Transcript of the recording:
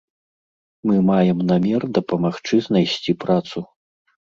Мы маем намер дапамагчы знайсці працу.